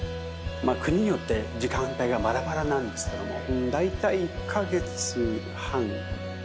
国によって時間帯がバラバラなんですけども。